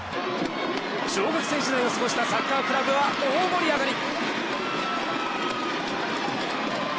小学生時代を過ごしたサッカークラブは大盛り上がり！